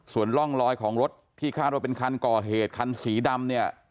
ส่วนร่องลอยของรถที่คาดว่าเป็นคันก่อเหตุคันสีดำเนี่ย